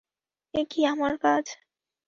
এ কি আমার কাজ?